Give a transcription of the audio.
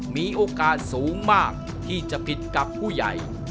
มีโอกาสสูงมากที่จะผิดกับผู้ใหญ่